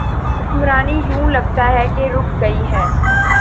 حکمرانی یوں لگتا ہے کہ رک گئی ہے۔